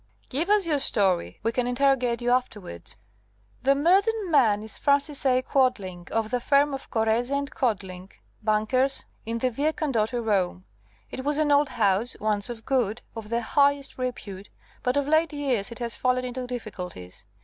"Give us your story. We can interrogate you afterwards." "The murdered man is Francis A. Quadling, of the firm of Correse & Quadling, bankers, in the Via Condotti, Rome. It was an old house, once of good, of the highest repute, but of late years it has fallen into difficulties.